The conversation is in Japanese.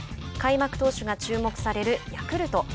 開幕投手が注目されるヤクルト。